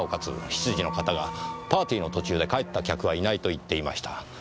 執事の方がパーティーの途中で帰った客はいないと言っていました。